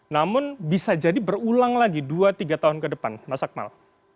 namun bisa jadi berulang lagi dua tiga tahun ke depan mas akmal